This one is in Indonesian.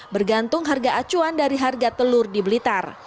bergantung harga acuan dari harga telur di blitar